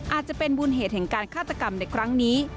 อาจจะเป็นมูลเหตุแห่งการฆาตกรรมในครั้งนี้